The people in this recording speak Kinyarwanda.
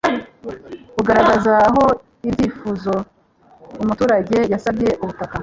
bugaragaza aho icyifuzo umuturage yasabye ku butaka